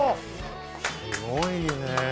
すごいね！